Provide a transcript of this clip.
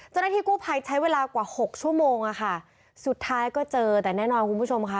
เจ้าหน้าที่กู้ภัยใช้เวลากว่าหกชั่วโมงอะค่ะสุดท้ายก็เจอแต่แน่นอนคุณผู้ชมค่ะ